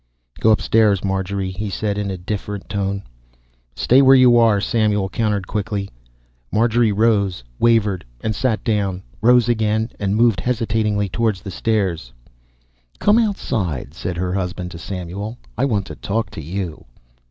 "Go up stairs, Marjorie," he said, in a different tone. "Stay where you are!" Samuel countered quickly. Marjorie rose, wavered, and sat down, rose again and moved hesitatingly toward the stairs. "Come outside," said her husband to Samuel. "I want to talk to you."